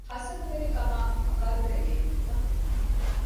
ހަސަދަވެރިކަމާއި މަކަރުވެރި ރޭވުންތައް